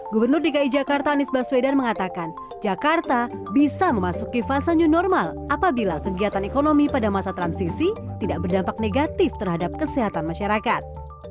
gubernur dki jakarta anies baswedan mengatakan jakarta bisa memasuki fase new normal apabila kegiatan ekonomi pada masa transisi tidak berdampak negatif terhadap kesehatan masyarakat